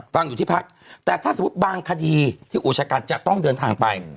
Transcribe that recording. ฟังอยู่ที่พักแต่ถ้าสมมุติบางคดีที่อุชกันจะต้องเดินทางไป